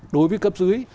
đối với cấp dưới